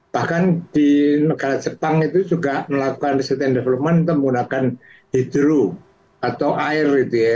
bahkan di negara jepang itu juga melakukan research and development itu menggunakan hidro atau air gitu ya